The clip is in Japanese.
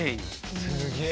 すげえ。